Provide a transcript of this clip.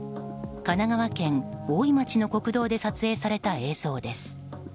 神奈川県大井町の国道で撮影された映像です。